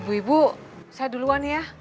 tati aku mau ke rumah